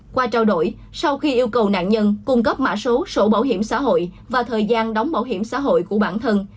qua trao đổi sau khi yêu cầu nạn nhân cung cấp mã số sổ bảo hiểm xã hội và thời gian đóng bảo hiểm xã hội của bản thân